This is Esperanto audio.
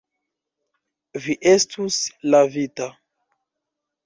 Vi estus lavita.